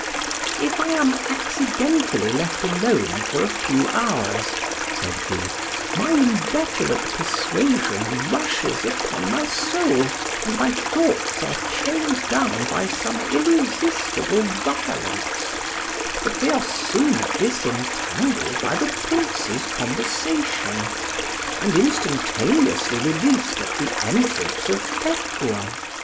"If I am accidentally left alone for a few hours," said he, "my inveterate persuasion rushes upon my soul, and my thoughts are chained down by some irresistible violence; but they are soon disentangled by the Prince's conversation, and instantaneously released at the entrance of Pekuah.